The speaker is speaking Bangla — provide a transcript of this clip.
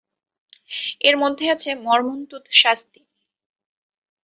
এর মধ্যে আছে মর্মন্তুদ শাস্তি।